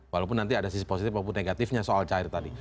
walaupun nanti ada sisi positif maupun negatifnya soal cair tadi